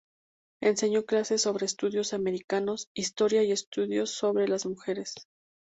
Enseñó clases sobre estudios americanos, historia y estudios sobre las mujeres.